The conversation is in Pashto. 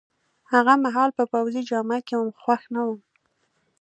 هغه مهال په پوځي جامه کي وم، خوښ نه وم.